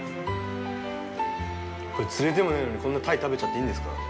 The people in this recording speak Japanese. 釣れてもないのにこんなにタイ食べちゃっていいんですか？